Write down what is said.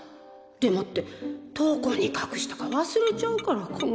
でもってどこに隠したか忘れちゃうから困る。